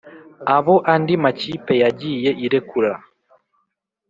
Abo andi makipe yagiye irekura